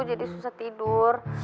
jadi susah tidur